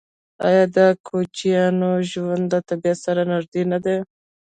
آیا د کوچیانو ژوند له طبیعت سره نږدې نه دی؟